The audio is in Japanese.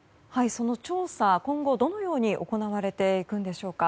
その調査、今後どのように行われていくのでしょうか。